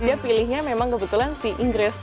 dia pilihnya memang kebetulan si inggris